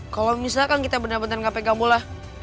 kalau misalkan kita benar benar gak pegang bola